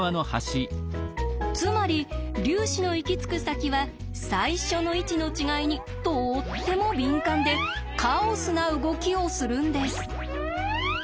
つまり粒子の行き着く先は最初の位置の違いにとっても敏感でカオスな動きをするんです。